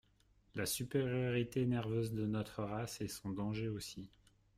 La supériorité nerveuse de notre race est son danger aussi.